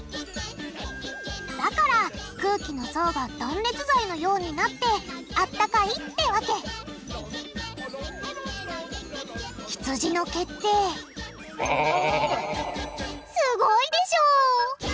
だから空気の層が断熱材のようになってあったかいってわけひつじの毛ってすごいでしょ！